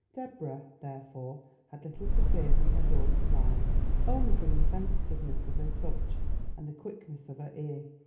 Deborah, therefore, had little to fear from her daughter's eye, only from the sensitiveness of her touch and the quickness of her ear.